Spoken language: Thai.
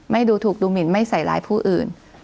ไม่ดูถูกดูหมินไม่ใส่ร้ายผู้อื่น